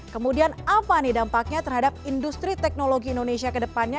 kemudian apa nih dampaknya terhadap industri teknologi indonesia ke depannya